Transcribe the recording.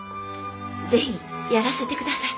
是非やらせて下さい。